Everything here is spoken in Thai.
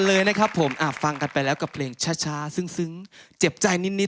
เจ้าของบ้านชายใกล้คลายจะยังไม่ฝืน